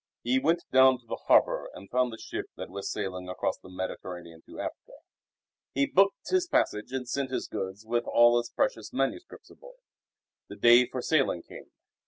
He went down to the harbour and found a ship that was sailing across the Mediterranean to Africa. He booked his passage and sent his goods with all his precious manuscripts aboard. The day for sailing came.